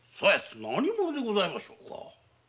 何者でございまするか？